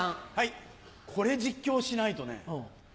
これ実況しないとね。